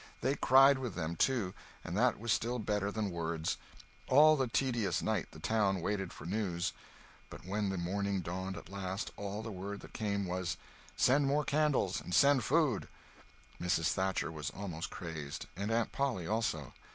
They cried with them, too, and that was still better than words. All the tedious night the town waited for news; but when the morning dawned at last, all the word that came was, "Send more candles—and send food." Mrs. Thatcher was almost crazed; and Aunt Polly, also.